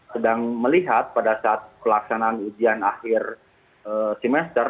sedang melihat pada saat pelaksanaan ujian akhir semester